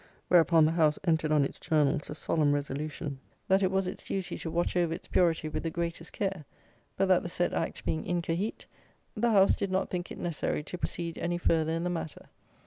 Whereupon the House entered on its Journals a solemn resolution, that it was its duty to watch over its purity with the greatest care; but that the said act being "incohete" the House did not think it necessary to proceed any further in the matter!